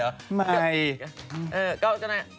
ก็แต่จะอย่างงี้